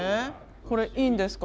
これいいんですか？